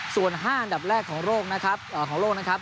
ส่วน๕อันดับแรกของโลกนะครับ